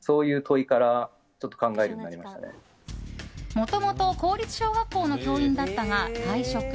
もともと公立小学校の教員だったが退職。